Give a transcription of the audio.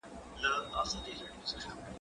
کېدای سي پوښتنه سخته وي؟!